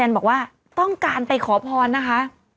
บอกว่าต้องการไปขอพรนะคะ